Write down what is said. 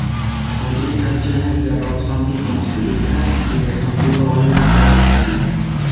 Contiene canciones de Rob Zombie como solista y de su antigua banda, White Zombie.